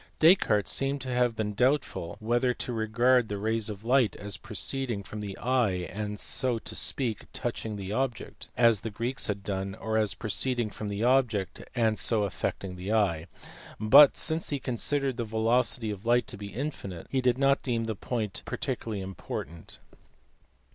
Descartes seems to have been doubtful whether to regard the rays of light as proceeding from the eye and so to speak touching the object, as the Greeks had done, or as proceeding from the object, and so affecting the eye ; but, since he considered the velocity of light to be infinite, he did not deem the point particularly important.